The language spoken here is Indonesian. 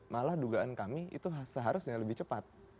malah dugaan kami itu seharusnya lebih cepat